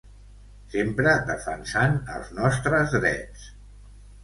Sempre defensant els nostres drets.